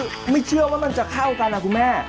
คือไม่เชื่อว่ามันจะเข้ากันนะคุณแม่